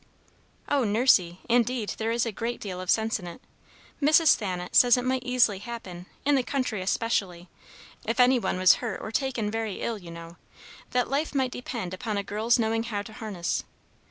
"Oh, Nursey, indeed there is a great deal of sense in it. Mrs. Thanet says it might easily happen, in the country especially, if any one was hurt or taken very ill, you know, that life might depend upon a girl's knowing how to harness.